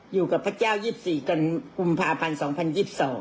อยู่กับพระเจ้า๒๔กันกุมภาพันธ์๒๐๒๒